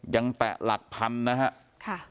ยังแตะหลักพันธุ์นะครับ